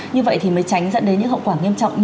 như vậy thì mới tránh dẫn đến những hậu quả nghiêm trọng